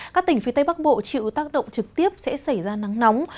các tỉnh phía tây bắc bộ chịu tác động trực tiếp sẽ xảy ra nắng nóng